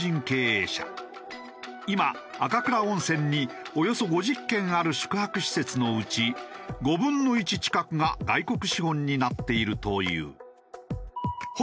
今赤倉温泉におよそ５０軒ある宿泊施設のうち５分の１近くが外国資本になっているという。